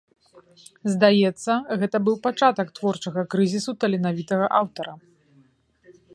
Здаецца, гэта быў пачатак творчага крызісу таленавітага аўтара.